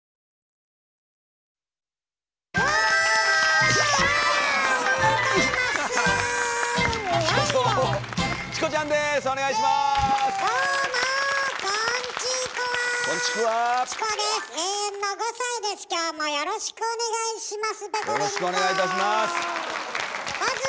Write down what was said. まずはよろしくお願いします。